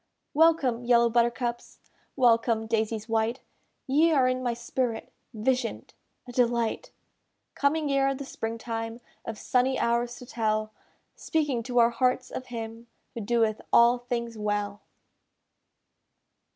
Welcome, yellow buttercups! Welcome, daisies white! Ye are in my spirit Vision'd, a delight! Coming ere the spring time, Of sunny hours to tell Speaking to our hearts of Him Who doeth all things well.